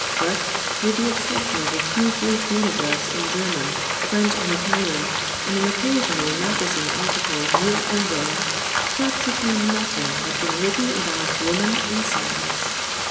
But, with the exception of a few brief monographs in German, French and Italian, and an occasional magazine article here and there, practically nothing had been written about woman in science.